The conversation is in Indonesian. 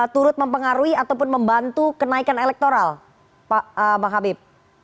turut mempengaruhi ataupun membantu kenaikan elektoral bang habib